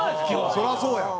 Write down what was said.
そりゃそうやん。